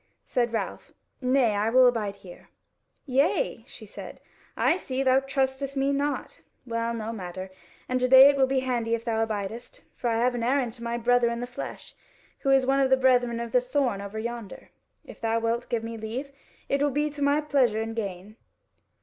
Said Ralph: "Nay, I will abide here." "Yea," she said, "I see: thou trustest me not. Well, no matter; and to day it will be handy if thou abidest. For I have an errand to my brother in the flesh, who is one of the brethren of the Thorn over yonder. If thou wilt give me leave, it will be to my pleasure and gain."